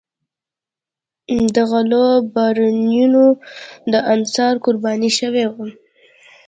د غلو بارونیانو د انحصار قرباني شوي وو.